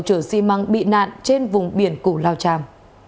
chở xi măng bị nạn trên vùng biển củ lao tràm